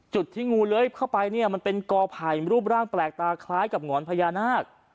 จุดที่งูเลื้อยเข้าไปเนี่ยมันเป็นกอไผ่รูปร่างแปลกตาคล้ายกับหงอนพญานาค